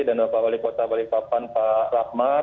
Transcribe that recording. dan pak wali kota balikpapan pak rahmat